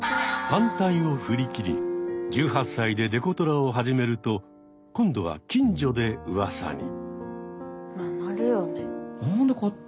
反対を振り切り１８歳でデコトラを始めると今度は近所でうわさに。